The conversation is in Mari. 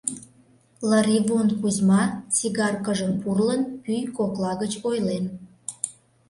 Лыривон Кузьма, сигаркыжым пурлын, пӱй кокла гыч ойлен: